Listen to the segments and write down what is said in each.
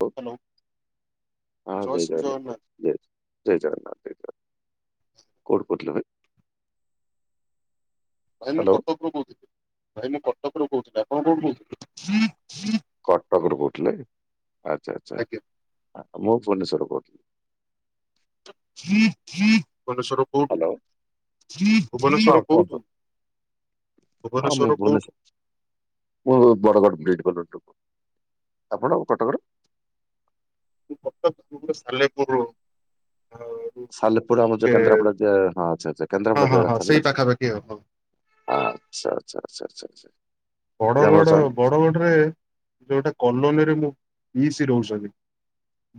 [unintelligible] Hello ଜୟ ଜଗନ୍ନାଥ ଜୟ ଜଗନ୍ନାଥ କଉଠୁ କହୁଥିଲ ଭାଇ? ଭାଇ ମୁଁ ହ୍ୟାଲୋ କଟକରୁ କହୁଥିଲି ଭାଇ ମୁଁ କଟକରୁ କହୁଥିଲି ଆପଣ କୋଉଠୁ କହୁଥିଲେ? କଟକରୁୁ କହୁଥିଲେ ଆଚ୍ଛା ଆଚ୍ଛା ଆଜ୍ଞା ମୁଁ ଭୁବନେଶ୍ୱରରୁ କହୁଥିଲି। ଭୁବନେଶ୍ୱର ରୁ କୋଉଠୁ ହ୍ୟାଲୋ ହଁ ଭୁବନେଶ୍ଵର କୁହନ୍ତୁ କୋଉଠୁ? ହଁ ମୁଁ ଭୁବନେଶ୍ୱର କୋଉଠୁ? ମୁଁ ବଡ଼ଗଡ଼ ବ୍ରିଡ଼୍ କଲୋନୀ ରୁ ଆପଣ କଟକରେ ମୁଁ କଟକ ସାଲେପୁର ଆଉ ସାଲେପୁର ଆମ ଯୋଉ କେନ୍ଦ୍ରାପଡା ହଁ ଆଚ୍ଛା ଆଚ୍ଛା ହଁ କେନ୍ଦ୍ରାପଡ଼ା ହଁ ଯିବା ହଁ ରାସ୍ତାରେ ସେଇ ନା ପାଖାପାଖି ଆଉ ହଁ। ଆଚ୍ଛା ଆଚ୍ଛା ଆଚ୍ଛା ଆଚ୍ଛା ଏଇ ଆମର ବଡଗଡ ଚଣ୍ଡ ବଡଗଡରେ ଯୋଉଟା କଲୋନୀରେ ମୁଁ ପିଉସୀ ରହୁଛନ୍ତି।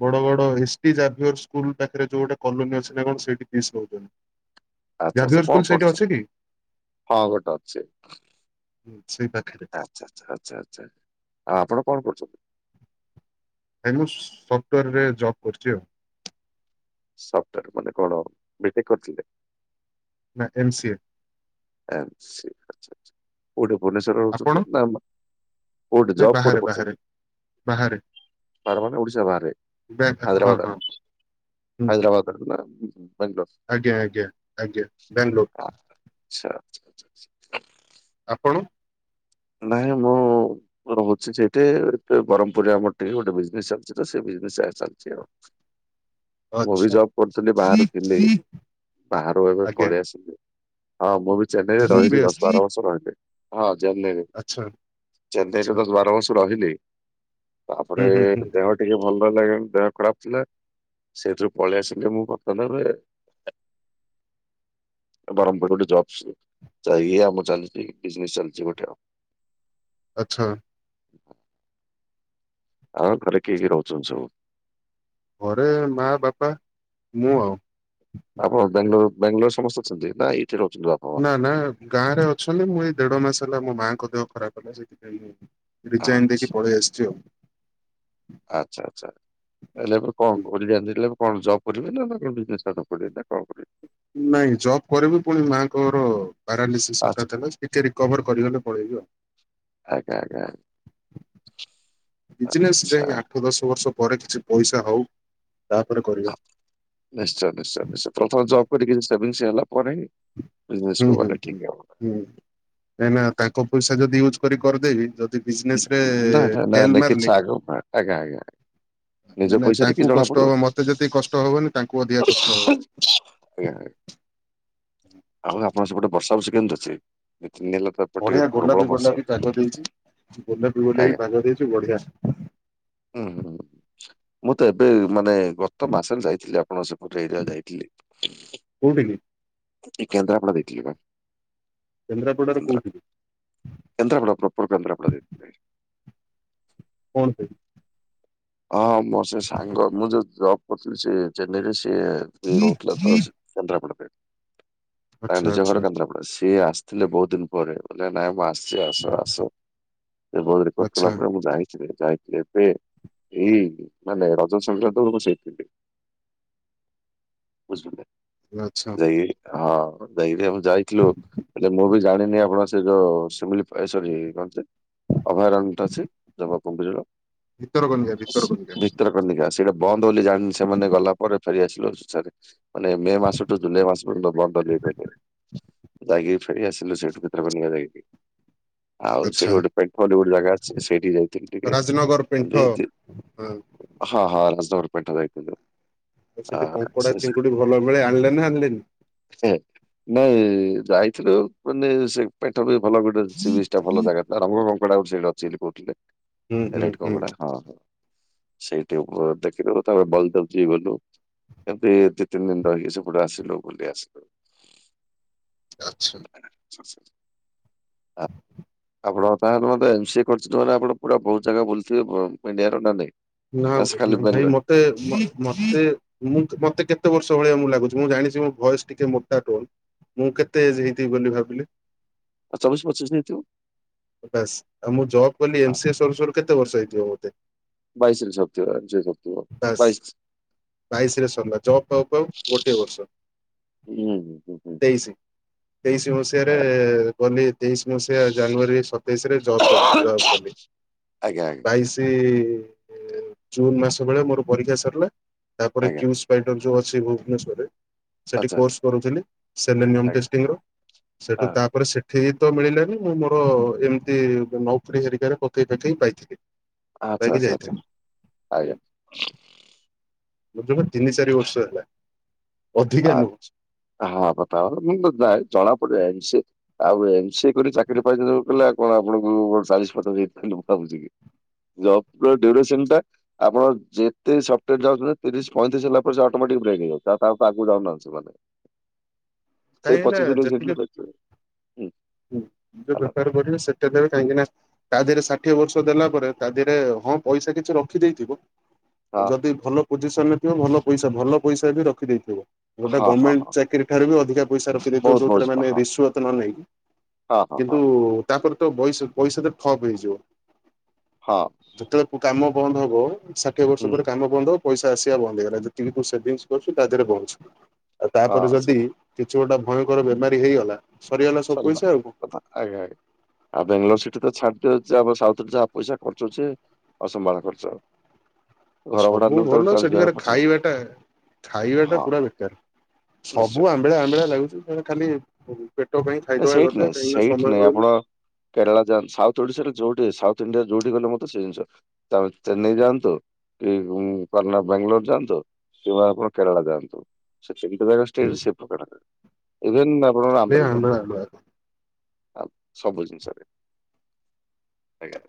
Badagada S T Xavier school ପାଖରେ ଯୋଉ ଗୋଟେ କଲୋନୀ ଅଛି ନା କଣ ସେଇଠି ପିଉସୀ ରହୁଛନ୍ତି। ଆଚ୍ଛା ଜାଭିୟର ଆଚ୍ଛା ସ୍କୁଲ କଣ ସେଇଠି କରୁଛ ଅଛି କି? ହଁ ଗୋଟେ ଅଛି। ହୁଁ ସେଇ ପା ଆଚ୍ଛା ଆଚ୍ଛା ଆଚ୍ଛା ଆଚ୍ଛା ଆଉ ଆପଣ କଣ କରୁଛନ୍ତି? ଭାଇ ମୁଁ ସଫ୍ଟୱାୟାର ରେ ଜବ୍ କରୁଛି ଆଉ। ସଫ୍ଟୱାୟାର ମାନେ କଣ ବିଟେକ କରିଥିଲେ। ନା M C A M C A ଆଛା ଆଛା କୋଉଠି ଭୁବନେଶ୍ୱରରେ ଆପଣ? ରହୁଛନ୍ତି ନା କୋଉଠି ନାଇଁ ଜବ୍ ବାହାରେ କୋଉଠି ବାହାରେ। କରୁଛନ୍ତି? ବାହାରେ ବଡ଼ଗଡ ଓଡ଼ିଶା ବାହାରେ ବ୍ୟା ହଁ ହାଇଦ୍ରାବାଦ ହଁ ହୁଁ ହୁଁ। ବଡଗୁଲା ହୁଁ ହୁଁ ଆଜ୍ଞା ଆଜ୍ଞା ଆଜ୍ଞା ବାଙ୍ଗଲୋର ଆଚ୍ଛା ଆଚ୍ଛା ଆଚ୍ଛା। ଆପଣ? ନାଇଁ ମୁଁ ମୁଁ ରହୁଛି ସେଇଠି ଏ ବ୍ରହ୍ମପୁରରେ ଆମର ଟିକେ ଗୋଟେ ବିଜନେସ୍ ଚାଲିଛି ତ ସେ ବିଜନେସ୍ ଚାଲିଛି ଆଉ ମୁଁ ବି ଆଚ୍ଛା ଜବ୍ କରୁଥିଲି ବାହାରୁ ଥିଲି ବାହାରୁ ଏବେ ଆଜ୍ଞା ପଳେଇ ଆସିଲି। ହଁ ମୁଁ ବି ଚେନ୍ନାଇରେ ମୁଁ ବି ରହିଛି ଦଶ ଆସିଛି ବାର ବର୍ଷ ରହିଲି ହଁ ଚେନ୍ନାଇରେ ଆଚ୍ଛା। ଚେନ୍ନାଇ ଆଚ୍ଛା ରେ ଦଶ ବାର ବର୍ଷ ରହିଲି। ତାପରେ ହୁଁ ହୁଁ ହୁଁ ଦେହ ଟିକେ ଭଲ ଲାଗିଲାନି ଦେହ ଖରାପ ଥିଲା। ସେଇଥିରୁ ପଳେଇ ଆସିଲି ମୁଁ ମୋ କାମରେ ଆଉ ବରହମପୁର ଗୋଟେ ଜବସ ଯାଇ ଇଏ ଆମ ଚାଲିଛି ବିଜନେସ୍ ଚାଲିଛି ଗୋଟେ ଆଉ ଆଚ୍ଛା! ଆଉ ଘରେ କିଏ କିଏ ରହୁଛନ୍ତି ସବୁ ଘରେ ମା ବାପା ମୁଁ ଆଉ ଆପଣ ବାଙ୍ଗଲୋର ବାଙ୍ଗଲୋର ସମସ୍ତେ ଅଛନ୍ତି ନା ଏଇଠି ରହୁଛନ୍ତି ଆପଣ ନା ନା ଗାଁ ରେ ଅଛନ୍ତି ମୁଁ ଏଇ ଦେଢ ମାସ ହେଲା ମୋ ମାଙ୍କ ଦେହ ଖରାପ ହେଲା ସେଥିପାଇଁ ମୁଁ ରିଜାଇନ ଦେଇକି ଆଚ୍ଛା ପଳେଇ ଆସିଛି ଆଉ ଆଚ୍ଛା ଆଚ୍ଛା ଆଚ୍ଛା ଆଇଲା ପରେ କଣ କରିବେ ହେଲେ ଏ କଣ ଜବ୍ କରିବେ ନା କଣ ବିଜନେସ ଷ୍ଟାଟ କରିବେ ନା କଣ କରିବେ ନାଇଁ ଜବ କରିବି ପୁଣି ମାଙ୍କର ପାରାଲିସିସ୍ ଆଚ୍ଛା ହଠାତ୍ ହେଲେ। ଟିକେ ରିକଭର କରିଗଲେ ପଳେଇବି ଆଉ। ଆଜ୍ଞା! ଆଜ୍ଞା! ଆଜ୍ଞା! ବିଜନେସ ରେ ଆଚ୍ଛା ଆଠ ଦଶ ବର୍ଷ ପରେ କିଛି ପଇସା ହଉ ତାପରେ କରିବା। ନିଶ୍ଚୟ ନିଶ୍ଚୟ ନିଶ୍ଚୟ, ତେଣୁ ତମେ ଜବ କରକି ସେଭିଙ୍ଗସ ହେଲାପରେ। ହୁଁ- ହୁଁ- ହୁଁ- ହୁଁ କାଇ ନା ତାଙ୍କ ପଇସା ଯଦି ୟୁଜ କରି କରିଦେଇବି ଯ ଯଦି ବିଜନେସ ରେ ନାଇଁ ନାଇଁ ନାଇଁ ଫେଲ ନାଇଁ କିଛି ମାରିଲି ଆଗ ଆଜ୍ଞା ଆଜ୍ଞା ନିଜ ମାନେ ପଇସାରେ କିଛି ତାଙ୍କୁ ଜଣା କଷ୍ଟ ପଡିବ ହବ ମତେ ଯେତିକି କଷ୍ଟ ହବନି ତାଙ୍କୁ ଅଧିକା କଷ୍ଟ ହବ। [unintelligible] ଆଉ ଆପଣ ସ ସେପଟେ ବର୍ଷା ବର୍ଷି କେମିତି ଅଛି ଦି ତିନି ହେଲା ତ ଏପଟେ ଟିକେ ବଢିଆ ପ୍ରବଳ ଗୋଲାପି ବର୍ଷା ଗୋଲାପି ହଉଛି ପାଗଦେଇଛି, ଗୋଲାପି ଆଜ୍ଞା ଗୋଲେଇ ପାଗ ଦେଇଛି ବଢିଆ। ହୁଁ -ହୁଁ -ହୁଁ ମୁଁ ତ ଏବେ ମାନେ ଗତ ମାସରେ ଯାଇଥିଲି ଆପଣ ସେପଟେ ଏରିଆ ଯାଇଥିଲି। କୋଉଠି କି? ଏ କେନ୍ଦ୍ରପଡା ଯାଇଥିଲି ବା କେନ୍ଦ୍ରାପଡ଼ାର କୋଉଠି କି? କେନ୍ଦ୍ରାପଡ଼ା ପ୍ରପର କେନ୍ଦ୍ରାପଡ଼ା ଯାଇଥିଲି। କଣ ପାଇଁ? ହଁ ହଁ ମୋର ସେ ସାଙ୍ଗ ମୁଁ ଯୋଉ ଜବ କରିଥିଲି ସେ ଚେନ୍ନାଇ ରେ ସିଏ ରହୁଥିଲା ତ ସେ କେନ୍ଦ୍ରାପଡାରେ ତା ଆଚ୍ଛା ନିଜ ଆଚ୍ଛା ଘର କେନ୍ଦ୍ରାପ ସିଏ ଆସିଥିଲେ ବହୁତ ଦିନ ପରେ କହିଲେ ନାଇଁ ମୁଁ ଆସି ଟିକେ ଆସ ଆସ, ସେ ବହୁତ ରିକୁଏଷ୍ଟ ଆଚ୍ଛା କରିଲା ପରେ ମୁଁ ଜାଇଥିଲି ଯାଇଥିଲି ଏବେ। ଏଇ ମାନେ ରଜ ସଂକ୍ରାନ୍ତକୁ ସେଇତିକି ବୁଝିପାରିଲେ? ଆଚ୍ଛା। ଯାଇକି ହଁ ଯାଇକି ଆମେ ଯାଇଥିଲୁ ହେଲେ ମୁଁ ବି ଜାଣିନି ଆପଣ ସେ ଯୋଉି ସିମିଲି ଏ ସରି କଣଟେ ଅଭୟାରଣଟେ ଅଛି ଜଙ୍ଗଲ କୁମ୍ଭୀର ର ଭିତର କନିକା, ଭିତରକନିକା। ଭିତରକନିକା, ସେଇଟା ବନ୍ଦ ବୋଲି ଜାଣିନୁ ସେମାନେ ଗଲା ପରେ ଫେରିଆସିଲୁ [inaudible] ମାନେ ମେ ମାସ ଠୁ ଜୁଲାଇ ମାସ ପର୍ଯ୍ୟନ୍ତ ବନ୍ଦବୋଲି କହିଲେ, ଯାହାକି ଫେରି ଆସିଲୁ ସେଠୁ ଭିତରେ କନିକା ଯାଇକି। ଆଉ ସେଠି ଆଚ୍ଛା ଗୋଟେ ପେଟର ଗୋଟେ ଜାଗା ଅଛି ସେଇଠି ଯାଇଥିଲି ଟିକେ [inaudible] ହୁଁ। ହଁ ହଁ ରାଜସ୍ତାର ପେଟ ଯାଇଥିଲୁ। ଆ ସେଠି କଙ୍କଡା ସେ- ଚିଙ୍ଗୁଡି ଭଲ ମିଳେ ଆଣିଲେ ନା ଆଣିଲେନି? ସେ ନାଇଁ ଯାଇଥିଲୁ ପୁଣି ସେ ପେଟ ବି ଭଲ ଗୋଟେ ଶୁଲିସ ଟା ଭଲ ଜାଗା, ତା ରଙ୍ଗ କଙ୍କଡା ସେଠି ଅଛି ବୋଲି କହୁଥିଲେ। ହୁଁ ହୁଁ ରେଡ ହୁଁ କଙ୍କଡା ହଁ। ସେଇଠି ଉପ ଦେଖିଦବ ତାପରେ ବଲଦେବ ଜିଉ ଗଲୁ। ଏମିତି ଦି ତିନି ଦିନ ରହିକି ସେଗୁଡା ଆସିଲୁ ବୁଲି ଆସିଲୁ ଆଚ୍ଛା ହ ଆପଣ ତାହେଲେ ମତେ ଏମ ସଏ କରିଛନ୍ତି ନା ଆପଣ ପୁରା ବହୁତ ଜାଗା ବୁଲୁଥିବେ ଇଣ୍ଡିଆର ନା ନାଇଁ? ନା ସେ ଖାଲି ଭାଇ ବାଙ୍ଗଲୋର ମତେ ମତେ ମୁଁ ମତେ କେତେ ବର୍ଷ ଭଳିଆ ମୁଁ ଲାଗୁଛି ମୁଁ ଜାଣିଛି ମୋ ଭଏସ ଟିକେ ମୋଟା ଟୋନ। ମୁଁ କେତେ ଏଜ ହେଇଥିବି ବୋଲି ଭାବିଲେ? ଆଉ ଚବିଶ ପଚିଶ ହେଇଥିବ। ବାସ ଆଉ ମୁଁ ଜବ୍ କଲି ଏମ ସି ଏ ସରୁ ସରୁ କେତେ ବର୍ଷ ହେଇଥିବ ମୋତେ? ବାଇଶିରେ ସରଥିବ ଜି ସରଥିବ ବାସ୍ ବାଇଶ। ବାଇଶି ରେ ସରଲା ଜବ୍ ପା ପାଉ ଗୋଟିଏ ବର୍ଷ। ହୁଁ ହୁଁ ହୁଁ ହୁଁ। ତେଇଶି ତେଇଶି ମସିହାରେ କ ତେଇଶି ମସିହା ଜାନୁଆରୀ ସତେଇଶ ରେ ଜବ ଜବ କଲି। ଆଜ୍ଞା ଆଜ୍ଞା ବାଇଶି ଜୁନ ମାସ ବେଳେ ମୋର ପରୀକ୍ଷା ସାରିଲା ତାପରେ ଆଜ୍ଞା କ୍ଯୁସ୍ପାଇଡର ଯୋଉ ଅଛି ଭୁବନେଶ୍ଵରରେ ସେଠି ଆଚ୍ଛା କୋସ କରୁଥିଲ ଆଜ୍ଞା [unintelligible] ରୁ ସେଠୁ ତାପରେ ସେ ସେଠିକ ତ ମିଳିଲାନି ମୁଁ ମୋର ଏମିତି ନୌକ୍ରି ହେରିକାରେ ପକେଇ ପକେଇ ପାଇଥିଲି। ଆଚଛା ପାଇକି ଆଚଛା ଆଚଛା ଯାଇଥିଲି ଆଜ୍ଞା। ମୋର ଜମା ତିନି ଚାରି ବର୍ଷ ହେଲା। ଅଧିକା ନୁହଁ ଆଛା ହଁ ବତାବ ବା ଜଣା [unintelligible] ଆଉ ଏମ ସିଏ କରି ଚାକିରି ପାଇ କ କଣ ଆପଣଙ୍କୁ ଚାଳିଶ ପଚାଶ [unintelligible] ବୁଝିଲି। ଜବ ର ଡ୍ୟୁରେସନ ଟା? ଆପଣ ଯେତେ ସଫ୍ଟାର ଯାଉଛନ୍ତି ତିରିଶ ପଇଁତିରିଶ ହେଲା ପରେ ସେ ଅଟୋମେଟିକ ବ୍ରେକ୍ ହେଇଗଲେ। ତା ତା ଆଉ ତା ଆଗକୁ ଯାଉନାହାନ୍ତି ସେମାନେ। ସେଇ କାହିଁକି ନା ପଚିଶ [unintelligible] ହୁଁ ଯୋଉ ହାଲୋ ବେପାର କରିବି ସେଟା ଦେବେ କାହିଁକି ନା ତା ଦେହରେ ଷାଠିଏ ବର୍ଷ ଦେଲା ପରେ ତା ଦେହରେ ହଁ ପଇସା କିଛି ରଖିଦେଇଥିବ। ହଁ ଯଦି ଭଲ ପୋଜିସନ ରେ ଥିବ ଭଲ ପଇସା ଭଲ ପଇସା ବି ରଖିଦେଇଥିବ। ଗୋଟେ ହଁ ହଁ ହଁ ଗଭର୍ଣ୍ଣମେଣ୍ଟ ଚାକିରି ଠାରୁ ବି ଅଧିକା ପଇସା ରଖିଦେଇଥିବ ବହୁତ ବହୁତ ଯୋଉଥିରୋ ସ୍ମ- ମାନେ ହଁ ରିଷୱତ ନ ନେଇକି ହଁ ହଁ କିନ୍ତୁ ହଁ ତାପରେ ତ ବଇସ ପଇସା ତ ଠପ୍ ହେଇଯିବ। ହଁ। ଯେତେବେଳେ କାମ ବନ୍ଦ ହବ ଷାଠିଏ ବର୍ଷ ହୁଁ ପରେ କାମ ବନ୍ଦ ହବ ପଇସା ଆସିବା ବନ୍ଦ ହେଇଗଲା ଯେତିକି ମୁ ସେଟିଙ୍ଗସ କରିଚୁ ତା ଦେହରେ ବଞ୍ଚ। ଆଉ ହଁ ତାପରେ ସେ ଯଦି କିଛି ଗୋଟେ ଭୟଙ୍କର ବେମାରୀ ହେଇଗଲା ଶରୀଗଲା। ସଲା କଥା ଆଜ୍ଞା ଆଜ୍ଞା। ଆଉ ବାଙ୍ଗାଲୋର ସିଟି ତ ଛାଡିଦିଅ ଯା ସାଉଥ ଯାହା ପଇସା ଖର୍ଚ୍ଚଚି। ଅସମ୍ଭାଳ ଖର୍ଚ୍ଚ। ଘର ଭଡା ସବୁ ନେଲେ ତ ଗୋଟେ ଭଲ ଚାଳିଶ ହଜାର ସେଠିକାର ପଚାଶ ହଜାର ଖାଇବାଟା ଖାଇବା ଟା ହଁ ପୁରା ବେକାର। ନିଶ୍ଚୟ। ସବୁ ଆମ୍ବିଳା ଆମ୍ବିଳା ଲାଗୁଚି [unintelligible] ଖାଲି ହଉ ପେଟ ପାଇଁ ନାଇଁ, ଖାଇଦବା କଥା କାହିଁକି ନା ସମୟ ମିଳୁନି। କେରଳଳା ଯାନ୍ ସାଉଥ ଓଶାରେ ଯୋଉଠି ସାଉଥ ଇଣ୍ଡିଆ ଯୋଉଠି ଗଲେ ମତେ ସେ ଜିନଷ। ତାମେ ଚେନ୍ନାଇ ଯାଆନ୍ତୁ କି କରନା ବାଙ୍ଗାଲୋର ଯାଆନ୍ତୁ ସେ ଆପଣ କେରଳ ଯାଆନ୍ତୁ ସେ [unintelligible] ଇଭେନ ଆପଣଙ୍କର ଖାଲି ଆନ୍ଧ୍ର ମଧ୍ୟ ଆମ୍ବିଳା ଆମ୍ବିଳା ସବୁ ଜିନିଷରେ ଆଜ୍ଞା।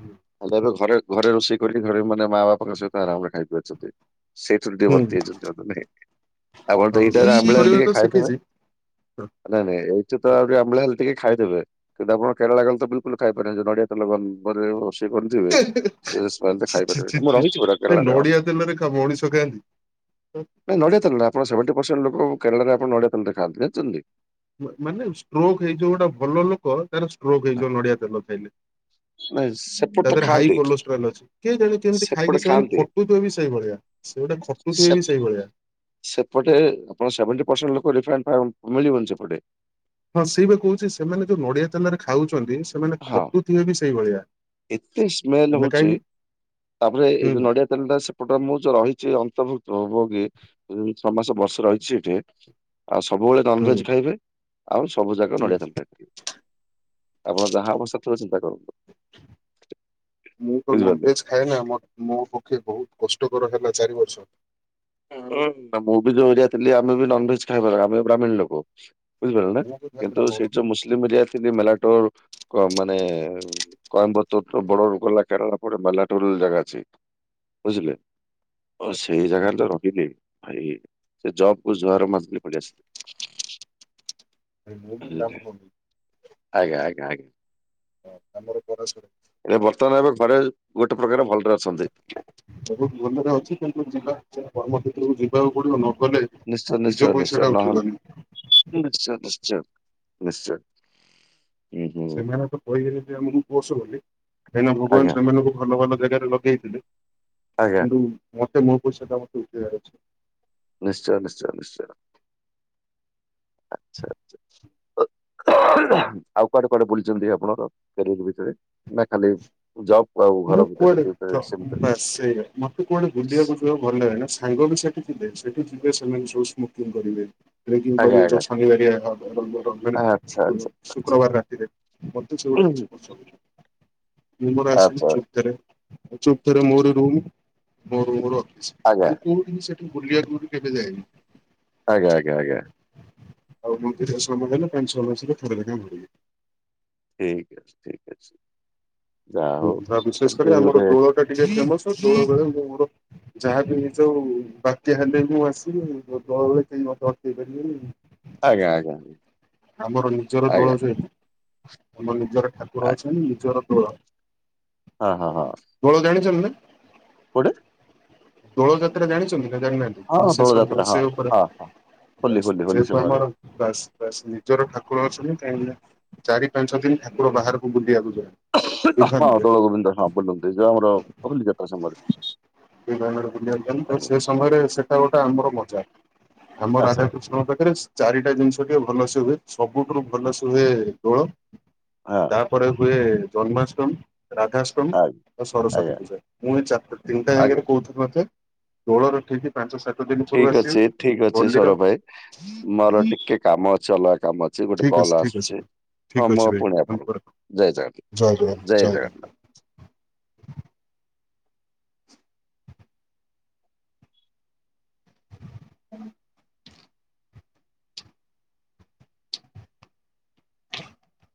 ହୁଁ। ଆଉ ଘରେ ଘରେ ରୋଷେଇ କରି ଧ ମାନେ ମା ବାପାଙ୍କ ସହିତ ଆରାମରେ ଖାଇ ପାରୁଚନ୍ତି। ସେଇଠୁ ଟିକେ ହୁଁ ବର୍ତ୍ତି ଯାଇଚନ୍ତି ଆପଣ ତ ଏଇଟ ଆମ୍ବିଳା ଟିକେ ଖାଇଥବେ ହ ନାଇଁ ନାଇଁ ଏଇଠି ତ ଆହୁରି ଆମ୍ ହେଲେ ଟିକେ ଖାଇଦେବେ। କିନ୍ତୁ ଆପଣ କେରଳ ଗାଲେ ତ ବିଲକୁଲ ଖାଇପାରିବେ ନଡିଆ ତେଲ ବନେଇବ। [unintelligible] ଛି, ଛି, ଛି, ଛି ରହିଛି ପୁରା ସେ କେରଳାରେ ଆଉ। ନଡ଼ିଆ ତେଲରେ ଖା ମଣିଷ ଖାଆନ୍ତି। ନାଇଁ ନଡ଼ିଆ ତେଲରେ ଆପଣ ସେଭଣ୍ଟି ପର୍ସେଣ୍ଟ ଲୋକ କେରଳରେ ଆପଣ ନଡ଼ିଆ ତେଲରେ ଖାଆନ୍ତି ଯାଣିଛନ୍ତି? ମାନେ ଷ୍ଟ୍ରୋକ୍ ହେଇଯିବ ଗୋଟେ ଭଲ ଲୋକ ତାର ଷ୍ଟ୍ରୋକ୍ ହେଇଯିବ ନଡିଆ ତେଲ ଖାଇଲେ। ନାଁଇ [unintelligible] ତା ଦେହରେ ହାଇ କୋଲୋଷ୍ଟ୍ରାଲ ଅଛି କିଏ ଜାଣେ କେମିତି ସେପଟେ ଖାଇକି ସେମାନେ ଖାଆନ୍ତି। ଖଟୁଥିବେ ବି ସେଇଭଳିଆ। ସେ ଗୋଟେ ଖଟୁଥିବେ ସେ ବି ସେଇଭଳିଆ। ସେପଟେ ଆପଣ ସେଭେଣ୍ଟି ପରସେଣ୍ଟ ଲୋକ ରିଫାଇନ୍ ତ ଆଉ ମିଳିବନି ସେପଟେ। ହଁ ସେଇପା କହୁଛି ସେମାନେ ଯୋଉ ନଡିଆ ତେଲରେ ଖାଉଛନ୍ତି ସେମାନେ ହଁ ଖଟୁଥିବେ ବି ସେଇଭଳିଆ। ଏତେ ସ୍ମେଲ ଆମେ ହଉଛି କାହିଁକି ତାପରେ ଏ ହୁଁ ଯୋଉ ନଡିଆ ତେଲଟା ସେପଟ ମୁଁ ଯୋଉ ରହିଛି ଅନ୍ତର୍ଭୁକ୍ତ ଭୋଗୀ ଏଇ ଛଅ ମାସ ବର୍ଷେ ରହିଛି ଏଠି। ଆଉ ସବୁବେଳେ ହୁଁ। ନନ୍ଭେଜ୍ ଖାଇବେ ଆଉ ସବୁ ଯାକ ହୁଁ ନଡ଼ିଆ ତେଲ ଆପଣଙ୍କ ଯାହା ଅବସ୍ଥା ଥିବ ଚିନ୍ତା କରନ୍ତୁ। ମୁଁ ତ ବୁଝିପାରିଲେ। ନନ୍ଭେଜ୍ ଖାଏନା ମ ମୋ ପକ୍ଷେ ବହୁତ କଷ୍ଟକର ହେଲା ଚାରିବର୍ଷ। ଉଁ ଆ ମୁଁ ବି ଯୋଉ ଏରିଆରେ ଥିଲି ଆମେ ବି ନନ୍ଭେଜ୍ ଖାଇବାର ଆମେ ବ୍ରାହ୍ମୀଣ ଲୋକ। ବୁଝିପାରିଲ ନା, ମୁଁ ବି ଭାଇ କିନ୍ତୁ ବ୍ରାହ୍ମଣ ସେ ଯୋଉ ମୁସ୍ଲିମ ଏରିଆରେ ଥିଲି ମେଲାଟୋ କ ମାନେ [unintelligible] ବର୍ଡ଼ର ଗଲା କେରଳ ପରେ ମାଲାଟୁର ଜାଗା ଅଛି। ବୁଝିଲେ, ଓ ଆଚ୍ଛା ସେଇ ଜାଗାରେ ତ ର ଦିଦି, ଭାଇ, ସେ ଜବ୍ କୁ ଜୁହାର ମାରିଦେଲି ପଳି ଆସିଲି। ଭାଇ, ମୁଁ ବି ଆଜ୍ଞା, ବ୍ରାହ୍ମଣ ନୁହେଁ। ଆଜ୍ଞା, ଆଜ୍ଞା। ହଁ ଆମର ପରାଶର ଏ ବର୍ତ୍ତମାନେ ଆମେ ଘରେ ଗୋଟେ ପ୍ରକାର ଭଲରେ ଅଛନ୍ତି। ସବୁ ଭଲରେ ଅଛି କିନ୍ତୁ ଯିବାକୁ ଯେ କର୍ମକ୍ଷେତ୍ରକୁ ଯିବାକୁ ପଡ଼ିବ ନ ଗଲେ ନିଶ୍ଚୟ, ନିଶ୍ଚୟ, ନିଶ୍ଚୟ, ନହଲ ନିଶ୍ଚୟ, ନିଶ୍ଚୟ, ନିଶ୍ଚୟ। ହୁଁ ହୁଁ ସେମାନେ ତ କହିଗେଲେ ଯେ ଆମକୁ ପୋସ ବୋଲି କାଇଁନା ଭଗବାନ ଆଜ୍ଞା ସେମାନଙ୍କୁ ଭଲ ଭଲ ଜାଗାରେ ଲଗେଇଥିଲେ ଆଜ୍ଞା। କିନ୍ତୁ ମତେ ମୋ ପଇସାଟା ମତେ ଉଠେଇବାର ଅଛି। ନିଶ୍ଚୟ, ନିଶ୍ଚୟ, ନିଶ୍ଚୟ, ଆଚ୍ଛା ଆଚ୍ଛା। ଆଉ କୁଆଡେ କୁଆଡେ ବୁଲିଛନ୍ତି ଆପଣଙ୍କ କ୍ୟାରିଅର ଭିତରେ? ନା ଖାଲି ଜବ୍ ଆଉ ଘର ଭିତରେ ସେତିକି ଭିତରେ ସୀମିତ? ସେୟା। ମୋତେ କୁଆଡେ ବୁଲିବାକୁ ଯିବାକୁ ଭଲ ଲାଗେନା, ସାଙ୍ଗବି ସେଠି ଯିବେ ସେଠି ଯିବେ ସେମାନେ ସବୁ ସ୍ମୋକିଂ କରିବେ। ରେଗିଂ ଆଜ୍ଞା କରିବେ ଆଜ୍ଞା ଯୋଉ ଶନିବାରିଆ ଆଚ୍ଛା ଆଚ୍ଛା [unintelligible] ଆଚ୍ଛା ଶୁକ୍ରବାରେ ରାତିରେ ମତେ ସେଗୁଡ଼ା ଉହୁଁ, କିଛି ପସନ୍ଦ ନୁହଁ। ମୁଁ ମୋର ଆସିଲି ଆଚ୍ଛା ଚୁପ୍ତରେ ଚୁପ୍ତରେ ମୋରି ରୁମ୍ ମୋ ରୁମର ଆଜ୍ଞା ମୁଁ କୋଉଠି ବି ସେଠି ବୁଲିବାକୁ କେବେ ଯାଏନି? ଆଜ୍ଞା, ଆଜ୍ଞା, ଆଜ୍ଞା। ଆଉ ମନ୍ଦିର ସମୟ ହେଲେ ପାଞ୍ଚ ଛଅ ମାସରେ ଥରେ ଲେଖାଁ ଉଡ଼ିବେ। ଠିକ୍ ଅଛି, ଠିକ୍ ଅଛି, ଯାହଉ ଏମିତି ଗୋଟେ ତ ଟିକେ ଫେମସ ଜୋର ବେଳେ ମୁଁ ମୋର ଯାହାବି ହେଇ ଯାଉ ବାତ୍ୟା ହେଲେ ମୁଁ ଆସିବି ମୋ ଦଳରେ କେହି ମତେ ଅଟକେଇ ପାରିବେନି। ଆଜ୍ଞା, ଆଜ୍ଞା। ଆମର ନିଜର ଦୋଳ ଆଜ୍ଞା ସାହି, ଆମର ନିଜର ଠାକୁର ଆଜ୍ଞା ଅଛନ୍ତି ନିଜର ଦୋଳ। ହଁ, ହଁ, ହଁ। ଦୋଳ ଜାଣିଛନ୍ତି ନା? କୋଉଟି? ଦୋଳ ଯାତ୍ରା ଜାଣିଛନ୍ତି ନା ଜାଣନାହାନ୍ତି? ହଁ [unintelligible] ସେ ଦୋଳ ସମ ଯାତ୍ରା ହଁ ସେ ଉପରେ ହଁ ହଁ ହୋଲି ହୋଲି ହୋଲି ଯେହେତୁ ସମୟରେ ଆମର ବାସ୍ ବାସ୍ ନିଜର ଠାକୁର ଅଛନ୍ତି କାହିଁକି ନା ଚାରି ପାଞ୍ଚ ଦିନ ଠାକୁର ବାହାରକୁ ବୁଲିିବାକୁ ଯାନ୍ତି [unintelligible] ହଁ ଆମର ବୁଲିବାକୁ ଯାନ୍ତି ତ ଆଜ୍ଞା ସେ ସମୟରେ ସେଇଟା ଗୋଟେ ଆମର ମଜା ଆମ ଆଚ୍ଛା ରାଧାକୃଷ୍ଣଙ୍କ ପାଖରେ ଚାରିଟା ଜିନିଷ ଟିକେ ଭଲସେ ହୁଏ ସବୁଠୁ ହଁ ଭଲସେ ହୁଏ ଦୋଳ ହଁ ତାପରେ ହୁଏ ଜନ୍ମାଷ୍ଟମୀ ରାଧାଷ୍ଟମ ଆଜ୍ଞା ଆଉ ଆଜ୍ଞା ସରସ୍ଵତୀ ପୂଜା ପୁଣି ଚାରିଟା ତିନିଟା ଆଜ୍ଞା ଜାକରେ କହୁଥିଲି ମତେ ଦୋଳରେ ଠିକ୍ ପାଞ୍ଚ ସାତ ଦିନ ପୂର୍ବ ଠିକ ଅଛି ଆସିବ ଠିକ ଅଛି ହଲିର ସୌରଭ ଭାଇ ମୋର ଟିକେ କାମ ଅଛି ଅଲଗା କାମ ଅଛି ଗୋଟେ ଠିକ କଲ ଠିକ ଅଛି ଆସୁଛି ହଁ ଠିକ ମୋ ଅଛି ଭାଇ ପୁଣି ଜୟ ଆପଣକୁ ଜୟ ଜଗନ୍ନାଥ ଜୟ ଜଗନ୍ନାଥ ହୁଁ [inaudible]